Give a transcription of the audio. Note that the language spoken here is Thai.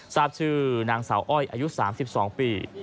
ทราบชื่อนางสาวอ้อยอายุ๓๒ปี